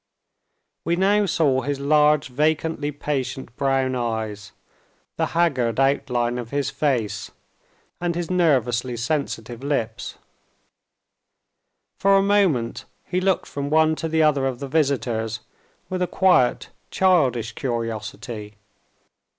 We now saw his large vacantly patient brown eyes, the haggard outline of his face, and his nervously sensitive lips. For a moment, he looked from one to the other of the visitors with a quiet childish curiosity.